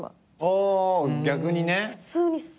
ああ逆にね。